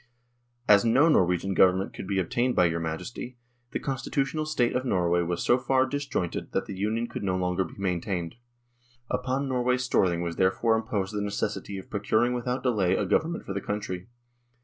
" As no Norwegian Government could be obtained by your Majesty, the constitutional State of Norway was so far disjointed that the Union could no longer be maintained. Upon Norway's Storthing was there fore imposed the necessity of procuring without delay a Government for the country.